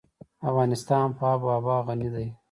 افغانستان په آب وهوا غني دی.